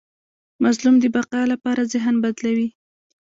مظلوم د بقا لپاره ذهن بدلوي.